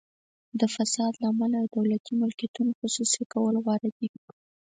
د فساد له امله د دولتي ملکیتونو خصوصي کول غوره دي.